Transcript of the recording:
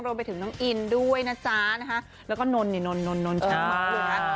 รวมไปถึงน้องอินด้วยนะจ๊ะนะคะแล้วก็นนเนี่ยนนนนนนชาติ